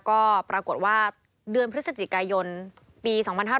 ก็ปรากฏว่าเดือนพฤศจิกายนปี๒๕๕๙